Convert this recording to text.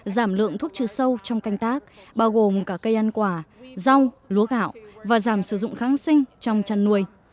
giảm lượng thuốc trừ sâu trong canh tác bao gồm cả cây ăn quả rau lúa gạo và giảm sử dụng kháng sinh trong chăn nuôi